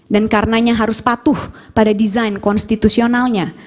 dan karenanya harus patuh pada desain konstitusionalnya